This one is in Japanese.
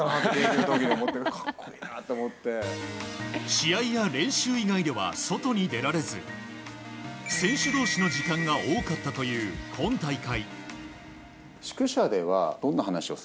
試合や練習以外では外に出られず選手同士の時間が多かったという今大会。